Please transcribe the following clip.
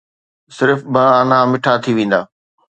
صرف ٻه آنا مٺا ٿي ويندا